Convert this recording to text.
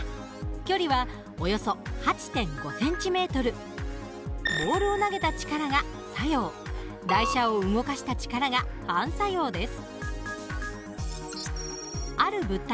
距離はおよそボールを投げた力が作用台車を動かした力が反作用です。